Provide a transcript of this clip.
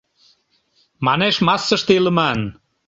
Манеш, массыште илыман.